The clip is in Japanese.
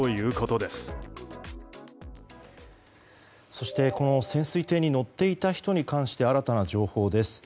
そして、この潜水艇に乗っていた人に関して新たな情報です。